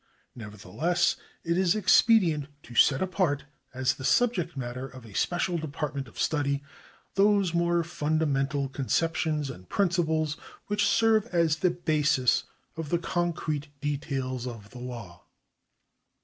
Nevertheless it is expedient to set apart, as the sub ject matter of a special department of study, those more fundamental conceptions and principles which serve as the basis of the concrete details of the law.